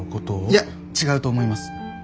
いや違うと思います。